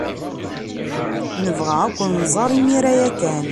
Nebɣa ad ken-nẓer imir-a ya kan.